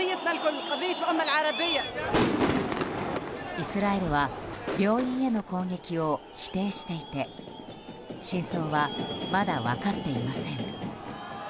イスラエルは病院への攻撃を否定していて真相は、まだ分かっていません。